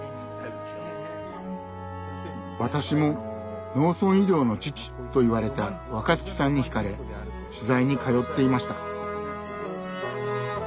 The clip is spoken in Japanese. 私も「農村医療の父」と言われた若月さんにひかれ取材に通っていました。